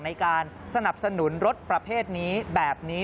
ในการสนับสนุนรถประเภทนี้แบบนี้